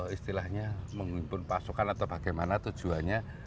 istilahnya mengumpul pasukan atau bagaimana tujuannya